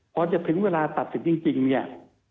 พอจะถึงเวลาตัดสินจริงเนี่ย